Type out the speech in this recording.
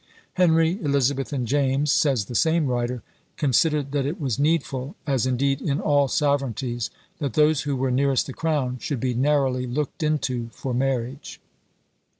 Henry, Elizabeth, and James, says the same writer, considered that it was needful, as indeed in all sovereignties, that those who were nearest the crown "should be narrowly looked into for marriage."